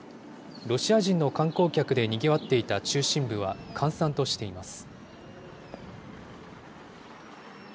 ロシア人の観光客でにぎわっていた中心部は閑散としています。